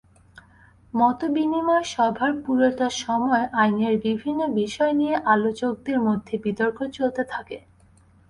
মতবিনিময় সভার পুরোটা সময় আইনের বিভিন্ন বিষয় নিয়ে আলোচকদের মধ্যে বিতর্ক চলতে থাকে।